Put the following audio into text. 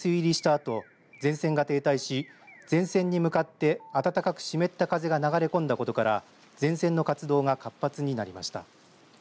あと前線が停滞し前線に向かって暖かく湿った風が流れ込んだことから前線の活動が活発になりました。